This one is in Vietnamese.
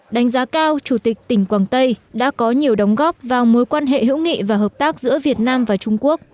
đánh giá cao chủ tịch tỉnh quảng tây đã có nhiều đóng góp vào mối quan hệ hữu nghị và hợp tác giữa việt nam và trung quốc